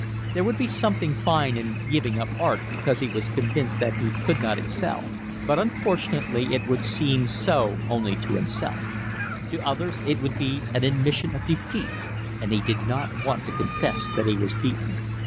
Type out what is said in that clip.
There would be something fine in giving up art because he was convinced that he could not excel; but unfortunately it would seem so only to himself: to others it would be an admission of defeat, and he did not want to confess that he was beaten.